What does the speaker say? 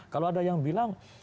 kalau ada yang bilang